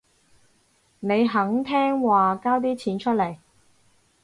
你肯聽話交啲錢出嚟